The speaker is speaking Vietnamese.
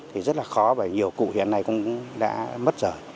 thì rất là khó và nhiều cụ hiện nay cũng đã mất rồi